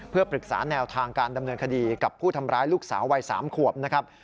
เพื่อปรึกษาแนวทางการดำเนินคดีกับผู้ทำร้ายลูกสาววัย๓ขวบนะครับ